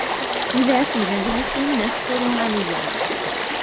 إذا في مجلس نذكر علياً